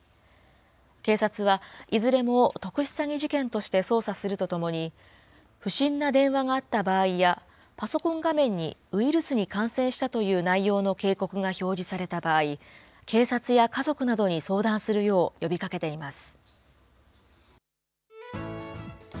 警察はいずれも特殊詐欺事件として捜査するとともに、不審な電話があった場合や、パソコン画面にウイルスに感染したという内容の警告が表示された場合、警察や家族などに相談するよう呼びかけています。